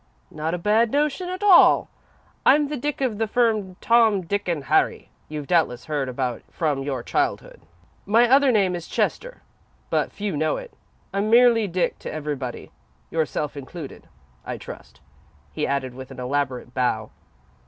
"Not a bad notion at all. I'm the Dick of the firm of 'Tom, Dick, and Harry,' you've doubtless heard about from your childhood. My other name is Chester, but few know it. I'm merely 'Dick' to everybody, yourself included, I trust," he added with an elaborate bow.